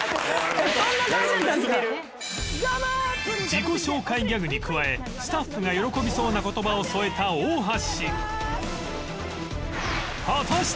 自己紹介ギャグに加えスタッフが喜びそうな言葉を添えた大橋